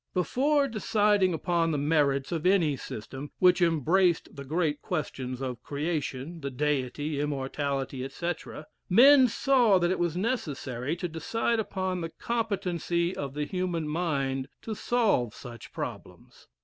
Before deciding upon the merits of any system which embraced the great questions of creation, the Deity, immortality, etc., men saw that it was necessary to decide upon the competency of the human mind to solve such problems.